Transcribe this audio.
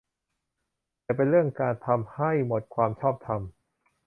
แต่เป็นเรื่องการ ทำให้หมดความชอบธรรม